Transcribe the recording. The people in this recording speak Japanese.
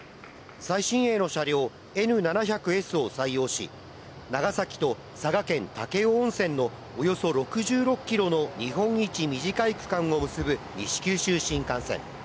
最新鋭の車両・Ｎ７００Ｓを採用し、長崎と佐賀県・武雄温泉のおよそ６６キロの日本一短い区間を結ぶ西九州新幹線。